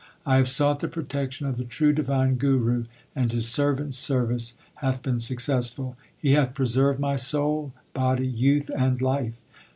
I have sought the protection of the true divine Guru, And His servant s service hath been successful. He hath preserved my soul, body, youth, and life.